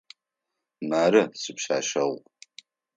Мары сипшъэшъэгъу.